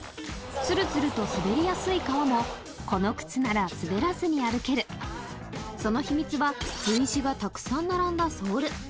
ツルツルと滑りやすい川もこの靴なら滑らずに歩けるその秘密はＶ字がたくさん並んだソール